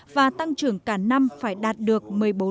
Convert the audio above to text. và tăng trưởng cả năm phải đạt được một mươi bốn